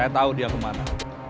saya tahu dia kemana